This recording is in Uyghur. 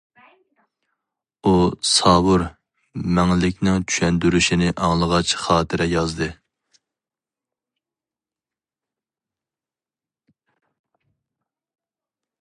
ئۇ ساۋۇر مەڭلىكنىڭ چۈشەندۈرۈشىنى ئاڭلىغاچ خاتىرە يازدى.